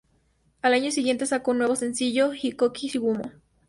Al año siguiente sacó su nuevo sencillo "Hikoki-gumo".